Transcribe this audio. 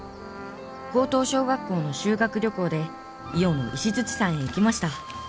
高等小学校の修学旅行で伊予の石山へ行きました。